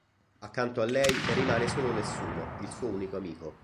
Accanto a lei rimane solo Nessuno, il suo unico amico.